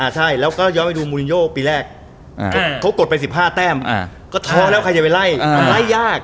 ใช่แล้วก็ย้อนไปดูมูลินโยปีแรกเขากดไป๑๕แต้มก็ท้องแล้วใครจะไปไล่มันไล่ยาก